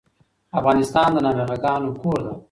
افغانستان د نابغه ګانو کور ده